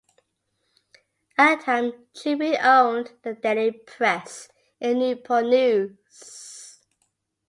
At the time, Tribune owned "The Daily Press" in Newport News.